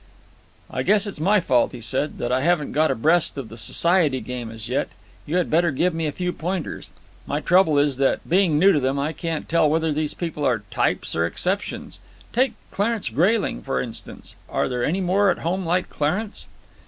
"I guess it's my fault," he said, "that I haven't got abreast of the society game as yet. You had better give me a few pointers. My trouble is that, being new to them, I can't tell whether these people are types or exceptions. Take Clarence Grayling, for instance. Are there any more at home like Clarence?"